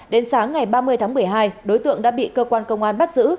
đến sáng ngày ba mươi tháng một mươi hai đối tượng đã bị cơ quan công an bắt giữ